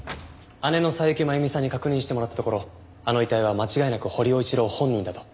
姉の佐伯真弓さんに確認してもらったところあの遺体は間違いなく堀尾一郎本人だと。